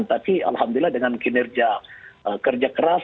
tapi alhamdulillah dengan kinerja kerja keras